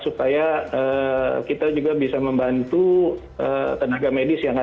supaya kita juga bisa membantu tenaga medis yang ada